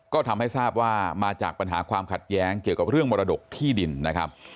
ก็ทำให้ทราบว่ามาจากปัญหาความขัดแย้งเกี่ยวกับเรื่องมรดกที่ดินนะครับ